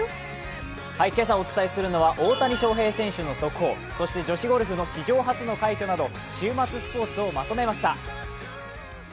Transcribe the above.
今朝お伝えするのは大谷翔平選手の速報、そして女子ゴルフの史上初の快挙など週末スポーツをまとめました。